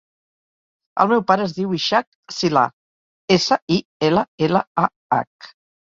El meu pare es diu Ishaq Sillah: essa, i, ela, ela, a, hac.